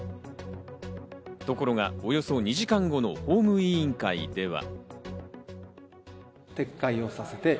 ところが、およそ２時間後の法務委員会では。